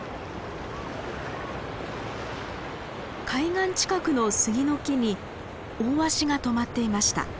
海岸近くのスギの木にオオワシが止まっていました。